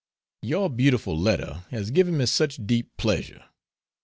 Your beautiful letter has given me such deep pleasure!